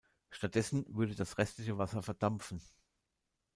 Stattdessen würde das restliche Wasser verdampfen.